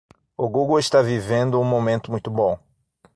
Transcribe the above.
O Google está vivendo um momento muito bom.